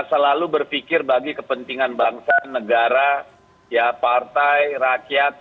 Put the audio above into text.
selalu berpikir bagi kepentingan bangsa negara partai rakyat